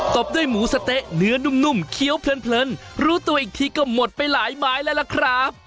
บด้วยหมูสะเต๊ะเนื้อนุ่มเคี้ยวเพลินรู้ตัวอีกทีก็หมดไปหลายไม้แล้วล่ะครับ